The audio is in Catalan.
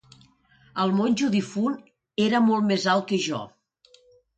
El monjo difunt era molt més alt que jo.